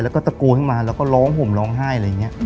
แล้วก็ตะโกนขึ้นมาแล้วก็ร้องห่มร้องไห้อะไรอย่างนี้